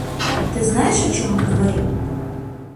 Ты знаешь, о чем мы говорим?